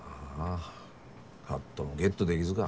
あハットもゲットできずか。